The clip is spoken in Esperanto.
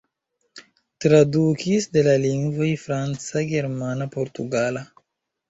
Tradukis de la lingvoj franca, germana, portugala.